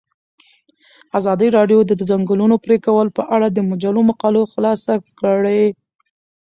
ازادي راډیو د د ځنګلونو پرېکول په اړه د مجلو مقالو خلاصه کړې.